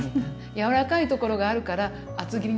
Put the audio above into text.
柔らかいところがあるから厚切りにしてみました。